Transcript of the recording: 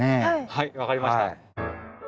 はい分かりました。